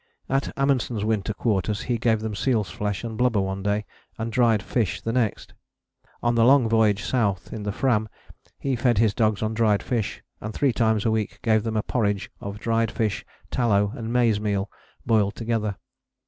At Amundsen's winter quarters he gave them seal's flesh and blubber one day, and dried fish the next. On the long voyage south in the Fram, he fed his dogs on dried fish, and three times a week gave them a porridge of dried fish, tallow, and maize meal boiled together.